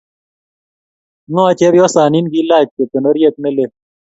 Ngo chepyosanin kilaach cheptondoriet nelel